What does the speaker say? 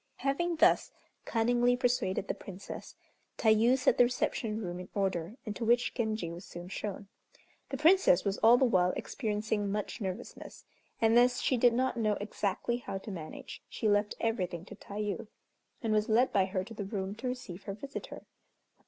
Having thus cunningly persuaded the Princess, Tayû set the reception room in order, into which Genji was soon shown. The Princess was all the while experiencing much nervousness, and as she did not know exactly how to manage, she left everything to Tayû, and was led by her to the room to receive her visitor.